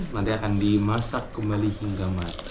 nanti akan dimasak kembali hingga matang